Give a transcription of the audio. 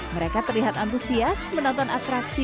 mereka terlihat antusias menonton atraksi